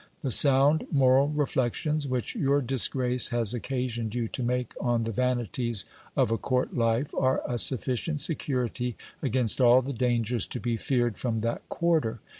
The sound moral reflections which your disgrace has occasioned you to make on the vanities of a court life, are a sufficient security against all the dangers to be feared from that quarter.